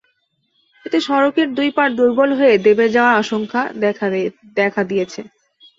এতে সড়কের দুই পাড় দুর্বল হয়ে দেবে যাওয়ার আশঙ্কা দেখা দিয়েছে।